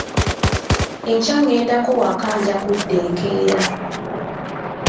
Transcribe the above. Enkya ŋŋendako waka nja kudda enkeera.